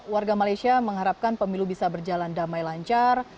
warga malaysia mengharapkan pemilu bisa berjalan damai lancar